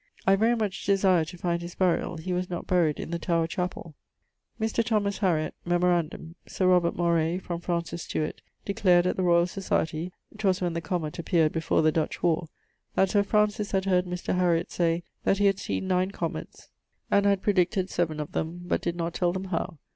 ☞ I very much desire to find his buriall: he was not buryed in the Tower chapelle. Mr. Thomas Harriot: Memorandum: Sir Robert Moray (from Francis Stuart), declared at the Royal Society 'twas when the comet appeared before the Dutch warre that Sir Francis had heard Mr. Harriot say that he had seen nine cometes, and had predicted seaven of them, but did not tell them how.